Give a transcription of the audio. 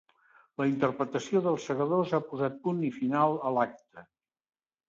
La interpretació dEls segadors ha posat punt i final a l’acte.